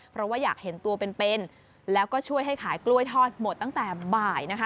เพราะว่าอยากเห็นตัวเป็นเป็นแล้วก็ช่วยให้ขายกล้วยทอดหมดตั้งแต่บ่ายนะคะ